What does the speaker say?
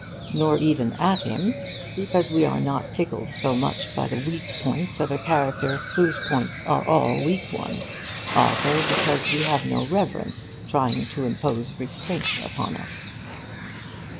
(Nor even at him; because we are not tickled so much by the weak points of a character whose points are all weak ones; also because we have no reverence trying to impose restraint upon us.)